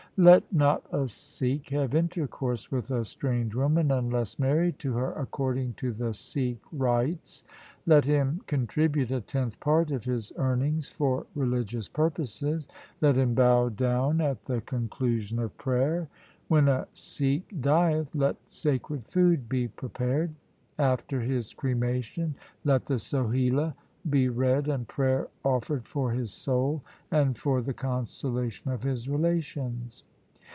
' Let not a Sikh have intercourse with a strange woman unless married to her according to the Sikh rites. Let him contribute a tenth part of his earnings for religious purposes. Let him bow down n8 THE SIKH RELIGION at the conclusion of prayer. When a Sikh dieth, let sacred food be prepared. After his cremation let the Sohila be read and prayer offered for his soul and for the consolation of his relations.